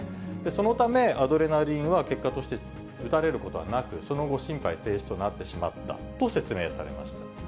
そのため、アドレナリンは結果として打たれることはなく、その後、心肺停止となってしまったと説明されました。